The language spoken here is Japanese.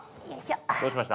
どうしました？